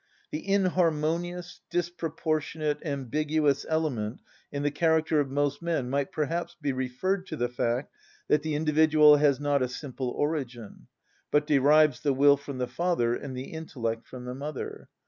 The inharmonious, disproportionate, ambiguous element in the character of most men might perhaps be referred to the fact that the individual has not a simple origin, but derives the will from the father and the intellect from the mother.